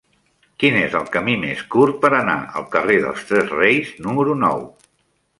Quin és el camí més curt per anar al carrer dels Tres Reis número nou?